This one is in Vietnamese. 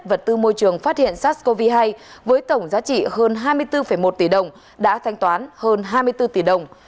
vật tư môi trường phát hiện sars cov hai với tổng giá trị hơn hai mươi bốn một tỷ đồng đã thanh toán hơn hai mươi bốn tỷ đồng